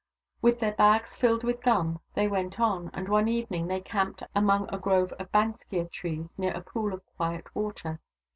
With their bags filled with gum they went on, and one evening they camped among a grove of banksia trees, near a pool of quiet water.